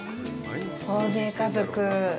大勢、家族。